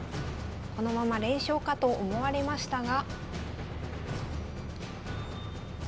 このまま連勝かと思われましたが。